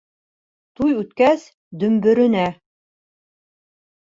Туй үткәс, дөмбөрөнә.